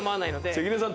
関根さん